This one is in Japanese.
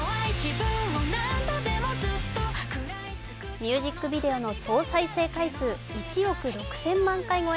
ミュージックビデオの総再生回数１億６０００万回超え。